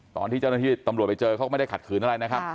ตอนที่เจ้าหน้าที่ตำรวจไปเจอเขาก็ไม่ได้ขัดขืนอะไรนะครับ